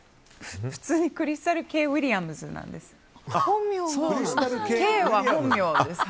普通にクリスタル・ケイ・ウィリアムズなんです。